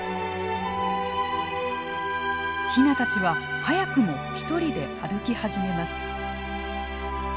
ヒナたちは早くも一人で歩き始めます。